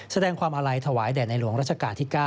แสดงความอาลัยถวายแด่ในหลวงรัชกาลที่๙